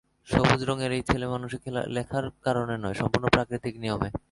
সবুজ রঙের এই ছেলেমানুষি লেখার কারণে নয়, সম্পূর্ণ প্রাকৃতিক নিয়মে।